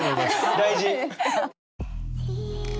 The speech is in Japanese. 大事。